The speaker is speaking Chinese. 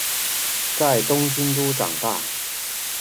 在东京都长大。